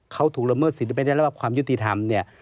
เขาถูกละเมิดสิทธิไม่ได้รับความยุติธรรมเนี่ย